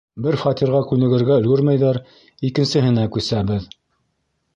Бер фатирға күнегергә өлгөрмәйҙәр, икенсеһенә күсәбеҙ.